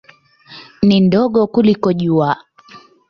Ni ndogo kuliko Jua.